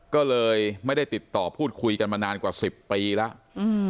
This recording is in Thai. ก็เลยไม่ได้ติดต่อพูดคุยกันมานานกว่าสิบปีแล้วอืม